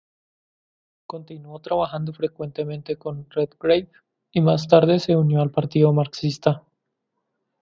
Continuó trabajando frecuentemente con Redgrave y más tarde se unió al Partido Marxista.